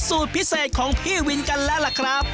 สูตรพิเศษของพี่วินกันแล้วล่ะครับ